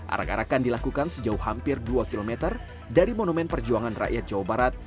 arak arakan dilakukan sejauh hampir dua km dari monumen perjuangan rakyat jawa barat